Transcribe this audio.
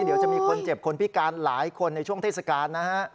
เดี๋ยวจะมีคนเจ็บคนพิการหลายคนในช่วงเทศกาลนะฮะ